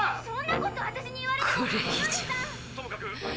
そんなこと私に言われても。